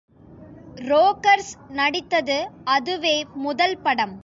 Rogers நடித்தது அதுவே முதல் படம்!